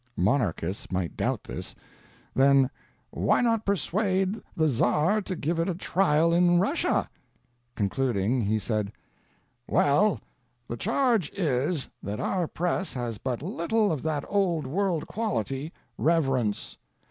Monarchists might doubt this; then "why not persuade the Czar to give it a trial in Russia?" Concluding, he said: Well, the charge is, that our press has but little of that old world quality, reverence.